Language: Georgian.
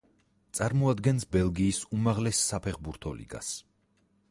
წარმოადგენს ბელგიის უმაღლეს საფეხბურთო ლიგას.